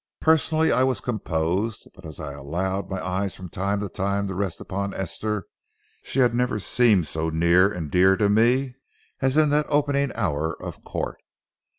Personally I was composed, but as I allowed my eyes from time to time to rest upon Esther, she had never seemed so near and dear to me as in that opening hour of court.